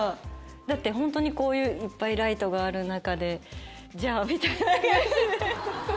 だってホントにこういういっぱいライトがある中で「じゃあ」みたいな感じで。